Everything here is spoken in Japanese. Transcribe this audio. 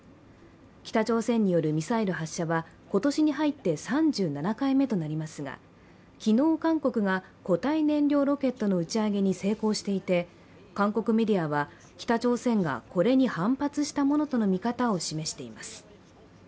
北朝鮮によるミサイル発射は今年に入って３７回目となりますが昨日韓国が固体燃料ロケットの打ち上げに成功していて韓国メディアは北朝鮮がこれに反発したものとの見方を示しています。